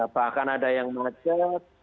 bahkan ada yang macet